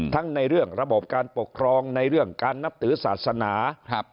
ในเรื่องระบบการปกครองในเรื่องการนับถือศาสนา